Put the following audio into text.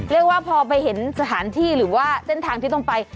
เรียกว่าพอไปเห็นสถานที่หรือว่าเส้นทางที่ต้องไป